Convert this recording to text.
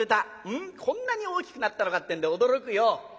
こんなに大きくなったのかってんで驚くよ。